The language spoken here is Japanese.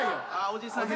おじさん